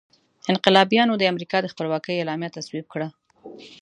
انقلابیانو د امریکا د خپلواکۍ اعلامیه تصویب کړه.